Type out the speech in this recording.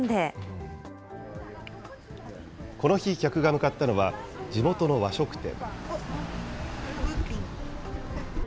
この日、客が向かったのは地元の和食店。